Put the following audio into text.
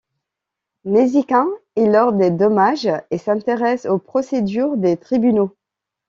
Nezikin est l'ordre des Dommages, et s'intéresse aux procédures des tribunaux.